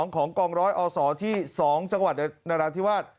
ของกองร้อยอศที่๒จังหวัดนราธิวาส